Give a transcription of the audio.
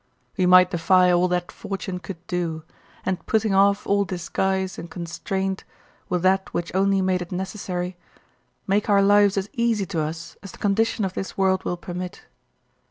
We might defy all that fortune could do, and putting off all disguise and constraint, with that which only made it necessary, make our lives as easy to us as the condition of this world will permit.